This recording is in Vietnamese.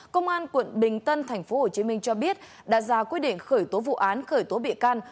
công an quận bình tân tp hcm cho biết đã ra quyết định khởi tố vụ án khởi tố bị can